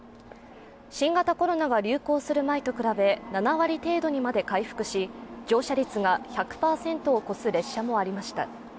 新型コロナが流行する前と比べ７割程度にまで回復し乗車率が１００％を超す列車もありました。